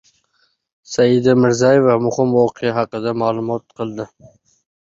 Saida Mirziyoyeva muhim voqea haqida ma’lum qildi